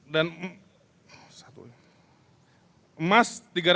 dan emas tiga ratus enam puluh tujuh